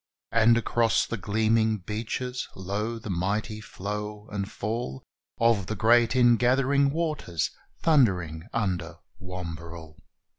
And, across the gleaming beaches, lo! the mighty flow and fall Of the great ingathering waters thundering under Wamberal!